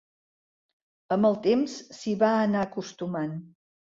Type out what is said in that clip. Amb el temps, s’hi va anar acostumant.